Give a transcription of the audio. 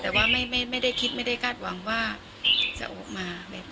แต่ว่าไม่ได้คิดไม่ได้คาดหวังว่าจะออกมา